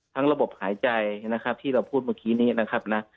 ระบบหายใจนะครับที่เราพูดเมื่อกี้นี้นะครับนะ